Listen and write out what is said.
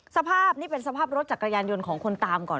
สภาพนี่เป็นสภาพรถจักรยานยนต์ของคนตามก่อน